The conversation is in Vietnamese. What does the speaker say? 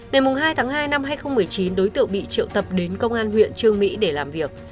ngày hai tháng hai năm hai nghìn một mươi chín đối tượng bị triệu tập đến công an huyện trương mỹ để làm việc